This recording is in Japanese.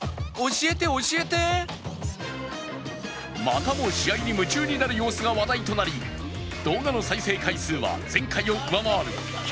またも試合に夢中になる様子が話題となり動画の再生回数は、前回を上回る